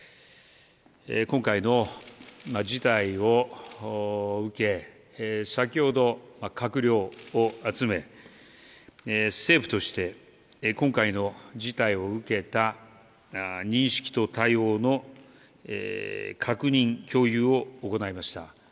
今回の事態を受け、先ほど閣僚を集め、政府として、今回の事態を受けた認識と対応の確認、共有を行いました。